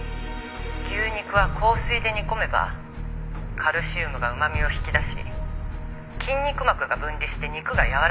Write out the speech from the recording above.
「牛肉は硬水で煮込めばカルシウムがうま味を引き出し筋肉膜が分離して肉がやわらかくなる」